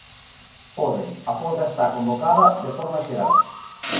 Poden, a folga está convocada de forma xeral.